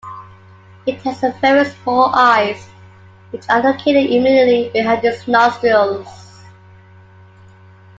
It has very small eyes which are located immediately behind its nostrils.